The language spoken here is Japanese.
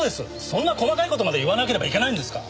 そんな細かい事まで言わなければいけないんですか？